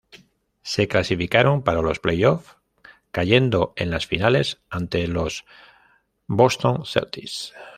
Se clasificaron para los playoffs, cayendo en las finales ante los Boston Celtics.